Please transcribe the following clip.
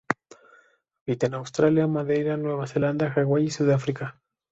Habita en Australia, Madeira, Nueva Zelanda, Hawái y Sudáfrica.